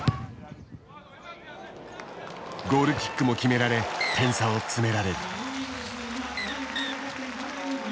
ゴールキックも決められ点差を詰められる。